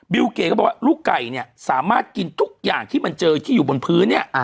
เก๋ก็บอกว่าลูกไก่เนี่ยสามารถกินทุกอย่างที่มันเจอที่อยู่บนพื้นเนี่ย